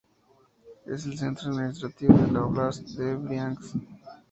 Es el centro administrativo de la óblast de Briansk.